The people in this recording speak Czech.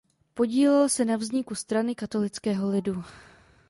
Podílel se na vzniku Strany katolického lidu.